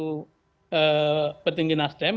pemilik petinggi nasdem